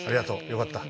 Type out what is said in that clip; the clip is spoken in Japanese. よかった。